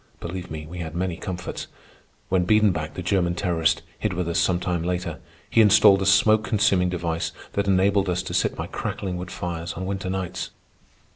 Oh, believe me, we had many comforts. When Biedenbach, the German terrorist, hid with us some time later, he installed a smoke consuming device that enabled us to sit by crackling wood fires on winter nights.